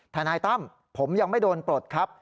ทนายตั้มผมยังไม่โดนปลดครับ